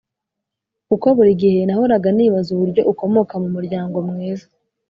kuko buri gihe nahoraga nibaza uburyo ukomoka mumuryango mwiza